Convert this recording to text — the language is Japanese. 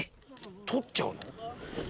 取っちゃうの？